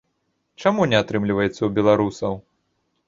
Чаму не атрымліваецца ў беларусаў?